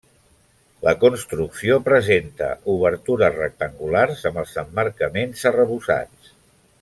La construcció presenta obertures rectangulars amb els emmarcaments arrebossats.